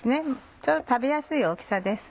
ちょうど食べやすい大きさです。